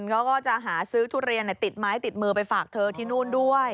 เขาก็จะหาซื้อทุเรียนติดไม้ติดมือไปฝากเธอที่นู่นด้วย